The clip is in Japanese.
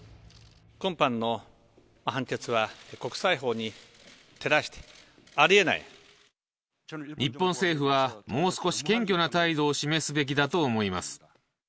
今般の判決は、国際法に照らして、日本政府は、もう少し謙虚な態度を示すべきだと思います。